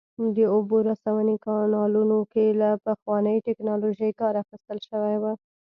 د اوبو رسونې کانالونو کې له پخوانۍ ټکنالوژۍ کار اخیستل شوی و